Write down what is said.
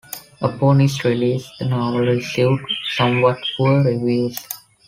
Upon its release the novel received somewhat poor reviews.